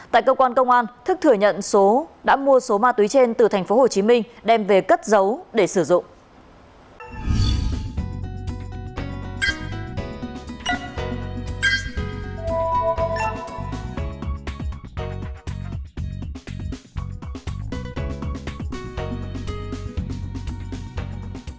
tại cơ quan công an thức thừa nhận số đã mua số ma túy trên từ tp hcm đem về cất giấu để sử dụng